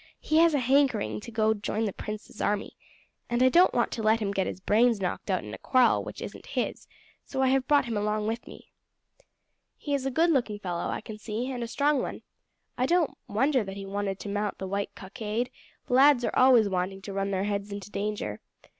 He has a hankering to join the prince's army, and I don't want to let him get his brains knocked out in a quarrel which isn't his, so I have brought him along with me." "He is a good looking young fellow, I can see, and a strong one. I don't wonder that he wanted to mount the white cockade; lads are always wanting to run their heads into danger.